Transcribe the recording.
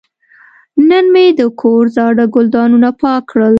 نن مې د کور زاړه ګلدانونه پاک کړل.